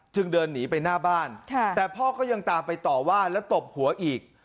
เดินหนีไปหน้าบ้านแต่พ่อก็ยังตามไปต่อว่าแล้วตบหัวอีก